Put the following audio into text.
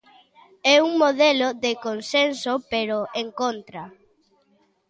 É un modelo de consenso pero en contra.